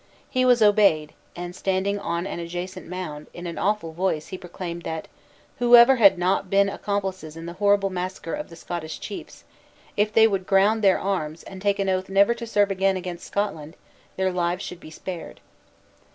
He was obeyed; and, standing on an adjacent mound, in an awful voice he proclaimed that "whoever had not been accomplices in the horrible massacre of the Scottish chiefs, if they would ground their arms, and take an oath never to serve again against Scotland, their lives should be spared."